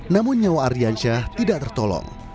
namun nyawa aryansyah tidak tertolong